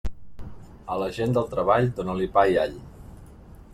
A la gent del treball, dóna-li pa i all.